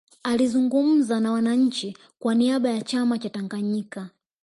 alizungumza na wananchi kwa niaba ya chama cha tanganyika